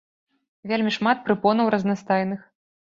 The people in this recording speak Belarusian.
Вельмі шмат прыпонаў разнастайных.